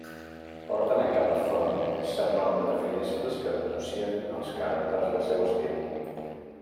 Porten en cada front cert nombre de finestres que denuncien els caràcters del seu estil.